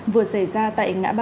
vừa xảy ra tại ngã bộ